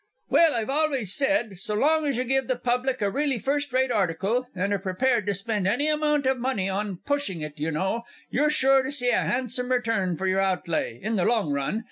Well, I've always said So long as you give the Public a really first rate article, and are prepared to spend any amount of money on pushing it, you know, you're sure to see a handsome return for your outlay in the long run.